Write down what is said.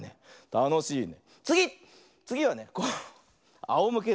たのしいね。